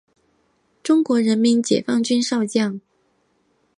中国人民解放军少将。